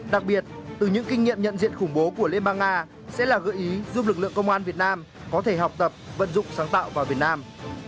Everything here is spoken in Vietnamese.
đặc biệt từ những kinh nghiệm nhận diện khủng bố của liên bang nga sẽ là gợi ý giúp lực lượng công an việt nam có thể học tập vận dụng sáng tạo vào việt nam